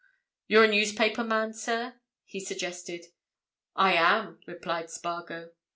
"You're a newspaper man, sir?" he suggested. "I am," replied Spargo.